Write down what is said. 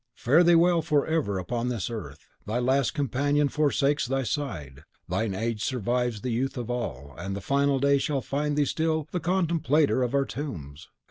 "Fare thee well forever upon this earth! Thy last companion forsakes thy side. Thine age survives the youth of all; and the Final Day shall find thee still the contemplator of our tombs.